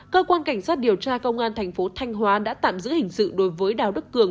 cơ quan cảnh sát điều tra công an thành phố thanh hóa đã tạm giữ hình sự đối với đào đức cường